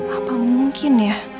apa mungkin ya